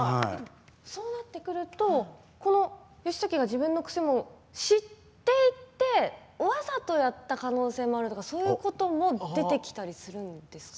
そうなってくるとこの、義時が自分の癖を知っていて、わざとやった可能性もあるとそういうことも出てきたりするんですか。